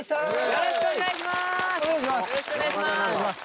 よろしくお願いします！